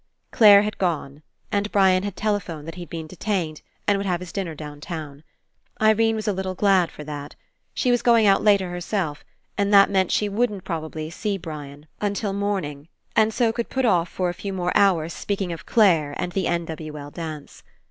Clare had gone and Brian had tele phoned that he'd been detained and would have his dinner downtown. Irene was a little glad for that. She was going out later herself, and that meant she wouldn't, probably, see Brian 131 PASSING until morning and so could put off for a few more hours speaking of Clare and the N. W. L. dance.